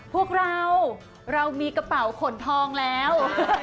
พวกเราเรามีกระเป๋าขนทองแล้ว